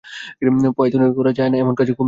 পাইথনে করা যায়না এমন কাজ কমই আছে।